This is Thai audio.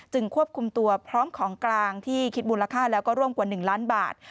ควบคุมตัวพร้อมของกลางที่คิดมูลค่าแล้วก็ร่วมกว่า๑ล้านบาท